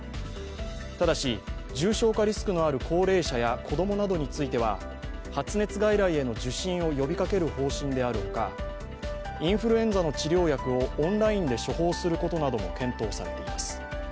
ただし、重症化リスクのある高齢者や子供などについては発熱外来への受診を呼びかける方針であるほかインフルエンザの治療薬をオンラインで処方することなども検討されています。